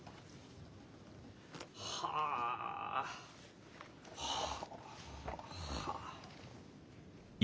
はあ。はあ。